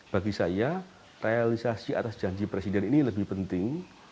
bagi saya realisasi atas janji presiden ini lebih penting